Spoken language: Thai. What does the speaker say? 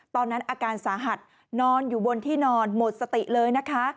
ตอนนั้นอาการสาหัสนอนอยู่บนที่นอนหมดสติเลยนะคะ